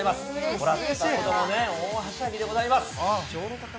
もらった子ども、大はしゃぎでございます。